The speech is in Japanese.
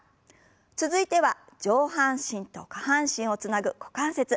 続いては上半身と下半身をつなぐ股関節。